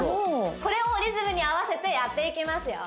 これをリズムに合わせてやっていきますよ